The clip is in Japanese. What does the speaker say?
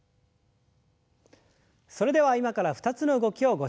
それでは今から２つの動きをご紹介します。